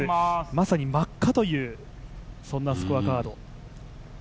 まさに真っ赤というスコアカード。